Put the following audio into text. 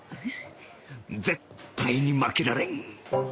絶対に負けられん！